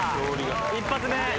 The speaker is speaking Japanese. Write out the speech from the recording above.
１発目。